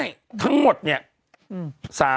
เบลล่าเบลล่า